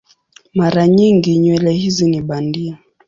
Mara nyingi nywele hizi ni bandia.